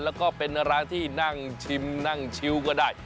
แล้วก็เป็นร้านที่นั่งชิมนั่งชิวก็ได้